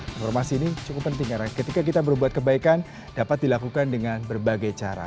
informasi ini cukup penting karena ketika kita berbuat kebaikan dapat dilakukan dengan berbagai cara